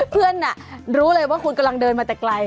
เพื่อนรู้เลยว่าคุณกำลังเดินมาแต่ไกล